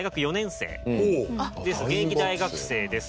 現役大学生です。